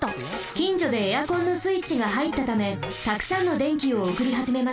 きんじょでエアコンのスイッチが入ったためたくさんの電気をおくりはじめました。